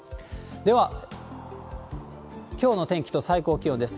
では、きょうの天気と最高気温です。